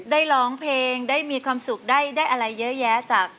ร้องเพลงได้มีความสุขได้อะไรเยอะแยะจาก